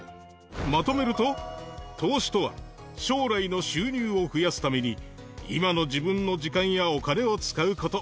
まとめると、投資とは、将来の収入を増やすために、今の自分の時間やお金を使うこと。